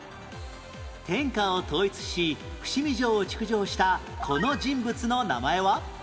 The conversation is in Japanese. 天下を統一し伏見城を築城したこの人物の名前は？